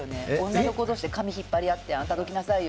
女の子同士で髪を引っ張りあってあんたどきなさいよ！